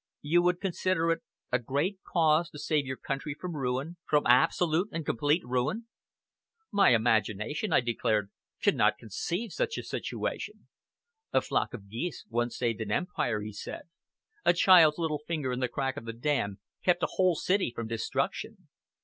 "You would consider it a great cause to save your country from ruin, from absolute and complete ruin!" "My imagination," I declared, "cannot conceive such a situation." "A flock of geese once saved an empire," he said, "a child's little finger in the crack of the dam kept a whole city from destruction.